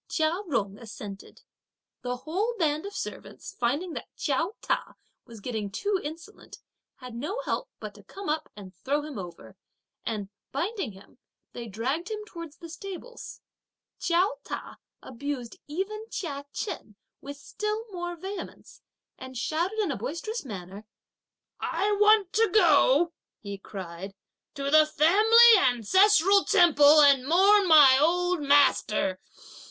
Chia Jung assented. The whole band of servants finding that Chiao Ta was getting too insolent had no help but to come up and throw him over, and binding him up, they dragged him towards the stables. Chiao Ta abused even Chia Chen with still more vehemence, and shouted in a boisterous manner. "I want to go," he cried, "to the family Ancestral Temple and mourn my old master.